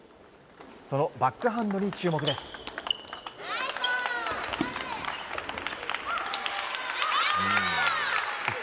そのバックハンドに注目です。